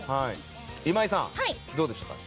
今井さん、どうでしょうか？